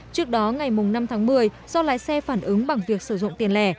trước đó ngày năm tháng một mươi do lái xe phản ứng bằng việc sử dụng tiền lẻ